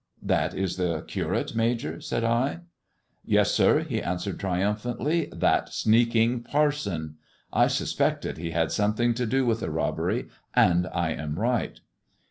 " That is the Curate, Major ?" said I. " Yes, sir," he answered triumphantly, "that sneaking parson. I suspected he had something to do with the robbery, and I am right."